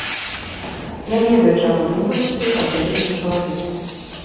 Я ведаю, чаго думаеш ты аб вялікім чалавеку.